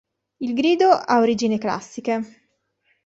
Il grido ha origini classiche.